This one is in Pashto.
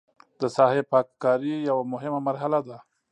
د ساحې پاک کاري یوه مهمه مرحله ده